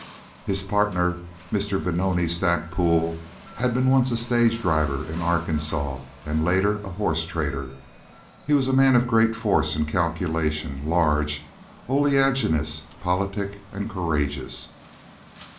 His partner, Mr. Benoni Stackpole, had been once a stage driver in Arkansas, and later a horse trader. He was a man of great force and calculation—large, oleaginous, politic, and courageous.